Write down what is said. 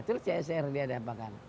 nah itu csr dia dapatkan